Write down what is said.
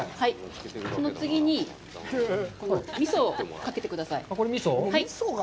その次に味噌をかけてください。